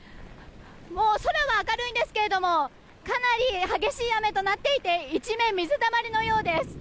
もう空は明るいんですけどかなり激しい雨となっていて一面、水たまりのようです。